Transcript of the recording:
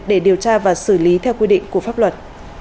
để điều tra và xử lý theo quy định của pháp luật